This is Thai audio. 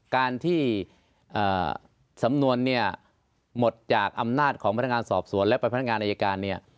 การที่สำนวนเนี่ยหมดจากอำนาจของพนักงานสอบสวนและไปพนักงานอายการเนี่ย